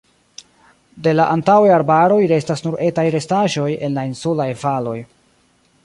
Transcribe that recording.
De la antaŭaj arbaroj restas nur etaj restaĵoj en la insulaj valoj.